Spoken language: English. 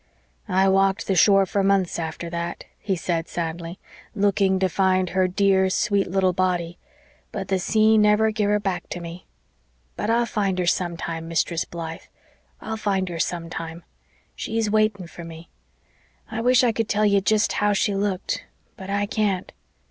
"I walked the shore for months after that," he said sadly, "looking to find her dear, sweet little body; but the sea never give her back to me. But I'll find her sometime, Mistress Blythe I'll find her sometime. She's waiting for me. I wish I could tell you jest how she looked, but I can't.